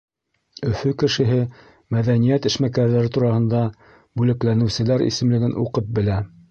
Өфө кешеһе мәҙәниәт эшмәкәрҙәре тураһында бүләкләнеүселәр исемлеген уҡып белә.